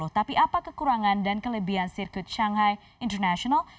tapi apa kekurangan dan kelebihan sirkuit shanghai international